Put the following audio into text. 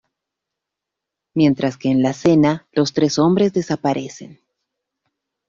Mientras que en la cena los tres hombres desaparecen.